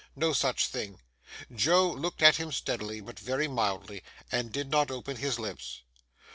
No such thing. Joe looked at him steadily, but very mildly, and did not open his lips.